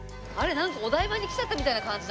なんかお台場に来ちゃったみたいな感じだけど。